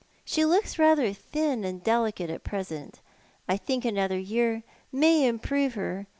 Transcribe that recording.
She looks rather thin and delicate at present. I think another year may improve her."